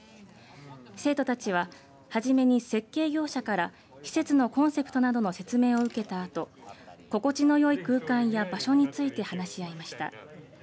生徒たちははじめに設計業者から施設のコンセプトなどの説明を受けたあと心地のよい空間や場所について話し合いました。